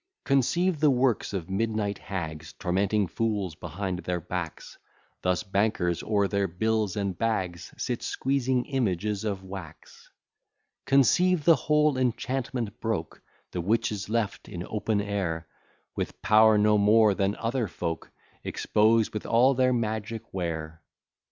Conceive the works of midnight hags, Tormenting fools behind their backs: Thus bankers, o'er their bills and bags, Sit squeezing images of wax. Conceive the whole enchantment broke; The witches left in open air, With power no more than other folk, Exposed with all their magic ware.